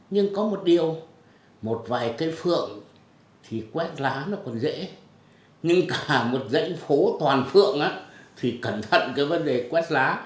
nhưng có một điều một vài cây phượng thì quét lá nó còn dễ nhưng cả một dãy phố toàn phượng thì cẩn thận cái vấn đề quét lá